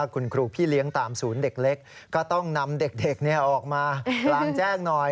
คุณครูพี่เลี้ยงตามศูนย์เด็กเล็กก็ต้องนำเด็กออกมากลางแจ้งหน่อย